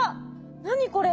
何これ？